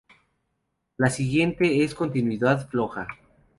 Lo siguiente es continuidad floja.